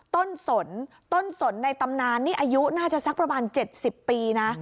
สนต้นสนในตำนานนี่อายุน่าจะสักประมาณ๗๐ปีนะ